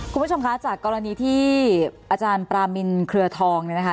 คุณผู้ชมคะจากกรณีที่อาจารย์ปรามินเครือทองเนี่ยนะคะ